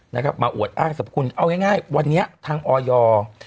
นะครับมาอวดอ้างสรรพคุณเอาง่ายวันนี้ทางออย